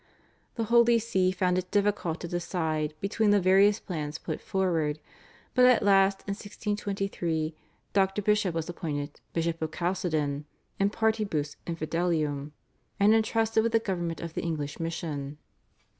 The Holy See found it difficult to decide between the various plans put forward, but at last in 1623 Dr. Bishop was appointed Bishop of Calcedon /in partibus infidelium/, and entrusted with the government of the English mission.